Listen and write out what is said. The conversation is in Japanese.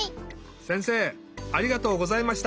せんせいありがとうございました。